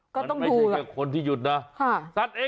ก็ต้องดูละค่ะอ้าว